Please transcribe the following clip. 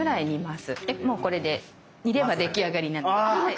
でもうこれで煮れば出来上がりなので。